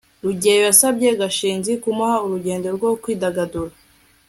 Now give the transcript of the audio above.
rugeyo yasabye gashinzi kumuha urugendo rwo kwidagadura